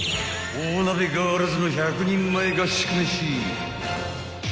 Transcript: ［大鍋ガールズの１００人前合宿メシ］